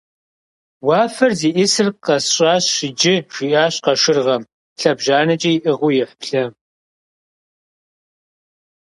- Уафэр зиӏисыр къэсщӏащ иджы, - жиӏащ къэшыргъэм лъэбжьанэкӏэ иӏыгъыу ихь блэм.